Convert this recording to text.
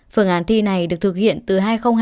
phương án thi này được thực hiện từ hai nghìn hai mươi